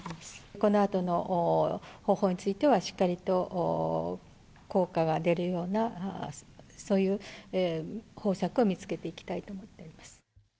このあとの方法については、しっかりと効果が出るようなそういう方策を見つけていきたいと思っています。